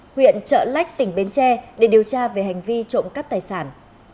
huyện trợ lách tỉnh bến tre để điều tra về hành vi trộm cắp tài sản